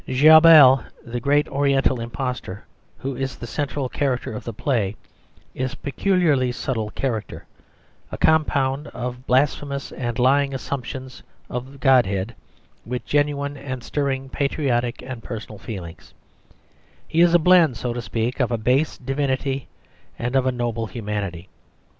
Djabal, the great Oriental impostor, who is the central character of the play, is a peculiarly subtle character, a compound of blasphemous and lying assumptions of Godhead with genuine and stirring patriotic and personal feelings: he is a blend, so to speak, of a base divinity and of a noble humanity.